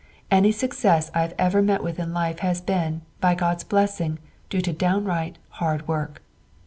Any success I have ever met in life has been, by God's blessing, due to downright hard work.